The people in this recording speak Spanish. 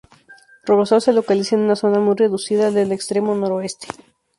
Regosol: se localiza en una zona muy reducida del extremo noroeste.